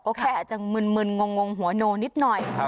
ก็แค่อาจจะมึนงงหัวโนนิดหน่อย